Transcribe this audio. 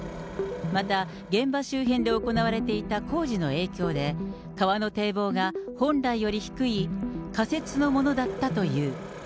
また、現場周辺で行われていた工事の影響で、川の堤防が本来より低い仮設のものだったという。